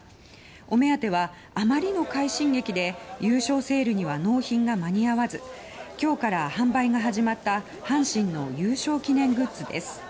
お目当てはあまりの快進撃で優勝セールには納品が間に合わず今日から販売が始まった阪神の優勝記念グッズです。